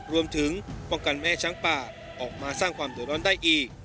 รวมถึงป้องกันไม่ให้ช้างป่าออกมาสร้างความเดือดร้อนได้อีก